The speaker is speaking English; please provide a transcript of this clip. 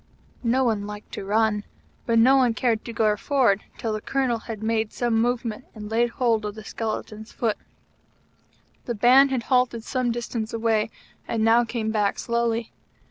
No one liked to run; but no one cared to go forward till the Colonel made a movement and laid hold of the skeleton's foot. The Band had halted some distance away, and now came back slowly.